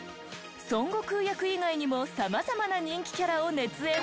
孫悟空役以外にもさまざまな人気キャラを熱演。